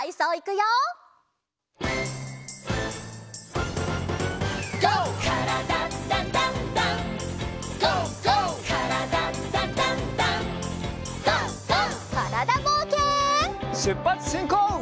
しゅっぱつしんこう！